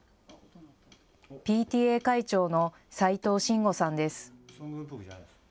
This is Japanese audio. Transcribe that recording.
ＰＴＡ会長の齊藤真吾さんです。